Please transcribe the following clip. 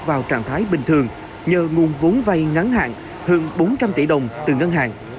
vào trạng thái bình thường nhờ nguồn vốn vay ngắn hạn hơn bốn trăm linh tỷ đồng từ ngân hàng